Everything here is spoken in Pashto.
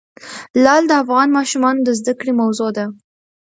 لعل د افغان ماشومانو د زده کړې موضوع ده.